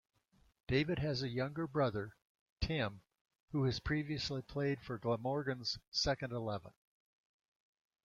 David has a younger brother, Tim, who has previously played for Glamorgan's second eleven.